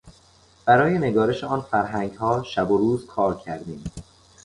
برای نگارش آن فرهنگها شب و روز کار کردیم.